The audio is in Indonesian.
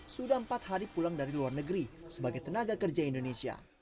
sudah empat hari pulang dari luar negeri sebagai tenaga kerja indonesia